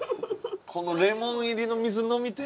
このレモン入りの水飲みてえな今。